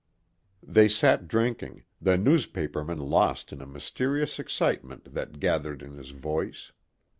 They sat drinking, the newspaperman lost in a mysterious excitement that gathered in his voice.